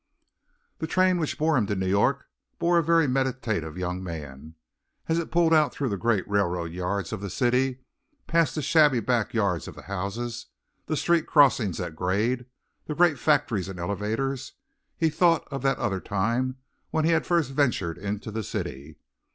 The train which bore him to New York bore a very meditative young man. As it pulled out through the great railroad yards of the city, past the shabby back yards of the houses, the street crossings at grade, the great factories and elevators, he thought of that other time when he had first ventured in the city.